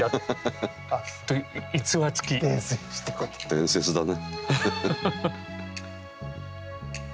伝説だね。